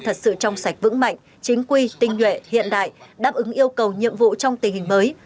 thật sự trong sạch vững mạnh chính quy tinh nhuệ hiện đại đáp ứng yêu cầu nhiệm vụ trong tình hình mới